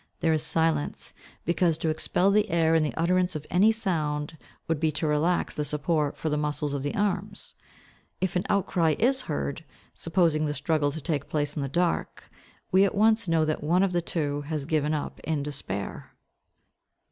There is silence, because to expel the air in the utterance of any sound would be to relax the support for the muscles of the arms. If an outcry is heard, supposing the struggle to take place in the dark, we at once know that one of the two has given up in despair.